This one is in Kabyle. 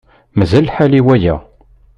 Mazal lḥal i waya.